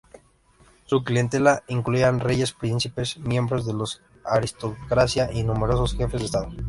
Su clientela incluía reyes, príncipes, miembros de la aristocracia, y numerosos jefes de estado.